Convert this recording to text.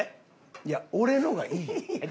いや俺のがいいよ。